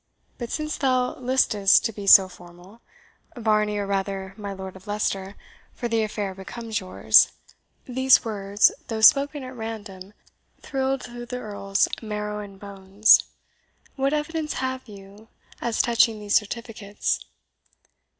But since thou listest to be so formal Varney, or rather my Lord of Leicester, for the affair becomes yours" (these words, though spoken at random, thrilled through the Earl's marrow and bones), "what evidence have you as touching these certificates?"